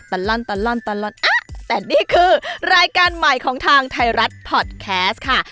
ตลอดแต่นี่คือรายการใหม่ของทางไทยรัฐพอดแคสต์ค่ะ